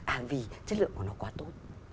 à vì chất lượng của nó quá tốt